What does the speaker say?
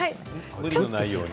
無理のないように。